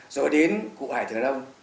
rồi đến cụ hải thường đông